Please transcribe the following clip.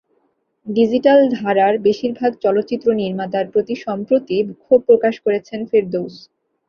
Digital ধারার বেশির ভাগ চলচ্চিত্রনির্মাতার প্রতি সম্প্রতি ক্ষোভ প্রকাশ করেছেন ফেরদৌস।